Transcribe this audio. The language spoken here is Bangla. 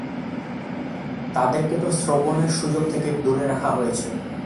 তাদেরকে তো শ্রবণের সুযোগ থেকে দূরে রাখা হয়েছে।